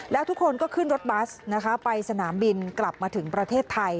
แล้วทุกคนก็ขึ้นรถบัสนะคะไปสนามบินกลับมาถึงประเทศไทย